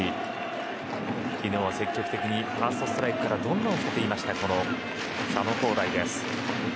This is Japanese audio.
昨日、積極的にファーストストライクからどんどん振っていた佐野皓大です。